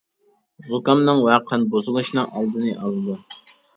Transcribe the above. زۇكامنىڭ ۋە قان بۇزۇلۇشنىڭ ئالدىنى ئالىدۇ.